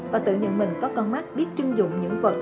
và tự nhận mình có con mắt biết chưng dụng những vật